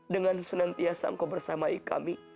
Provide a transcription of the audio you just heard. dengan senantiasa engkau bersamai kami